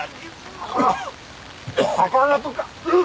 魚とか。